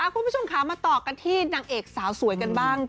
คุณผู้ชมค่ะมาต่อกันที่นางเอกสาวสวยกันบ้าง